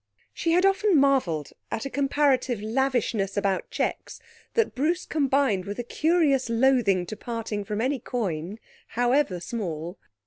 She had often marvelled at a comparative lavishness about cheques that Bruce combined with a curious loathing to parting from any coin, however small.